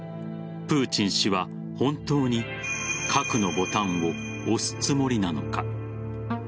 プーチン氏は本当に核のボタンを押すつもりなのか。